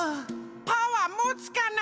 パワーもつかな？